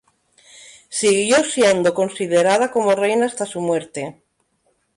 Siguió siendo considerada como reina hasta su muerte.